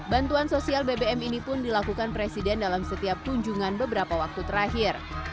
bantuan sosial bbm ini pun dilakukan presiden dalam setiap kunjungan beberapa waktu terakhir